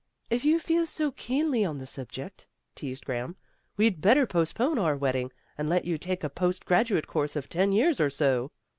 "If you feel so keenly on the subject," teased Graham, "we'd better postpone our wedding, and let you take a post graduate course of ten years or so."